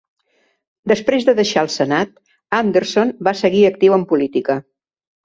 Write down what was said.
Després de deixar el Senat, Anderson va seguir actiu en política.